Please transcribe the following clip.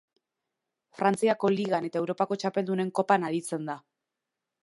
Frantziako Ligan eta Europako Txapeldunen Kopan aritzen da.